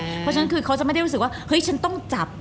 เพราะฉะนั้นคือเขาจะไม่ได้รู้สึกว่าเฮ้ยฉันต้องจับ